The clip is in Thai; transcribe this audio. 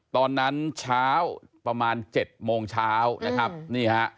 ตอนนั้นเช้าประมาณ๗โมงเช้า